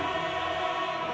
sandika gusti prabu